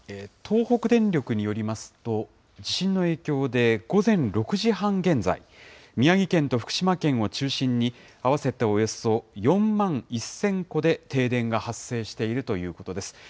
東北電力によりますと、地震の影響で午前６時半現在、宮城県と福島県を中心に、合わせておよそ４万１０００戸で停電が発生しているということです。